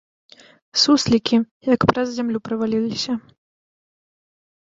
Суслікі, як праз зямлю праваліліся.